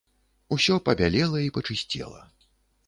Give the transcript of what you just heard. Усё пабялела і пачысцела.